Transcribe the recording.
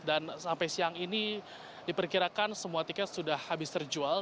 dan sampai siang ini diperkirakan semua tiket sudah habis terjual